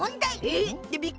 えっ？